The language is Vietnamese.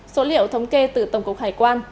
số liệu thống kê từ tổng cục hải quan